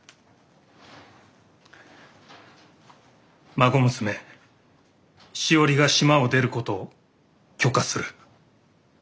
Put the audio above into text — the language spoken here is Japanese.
「孫娘しおりが島を出ることを許可する。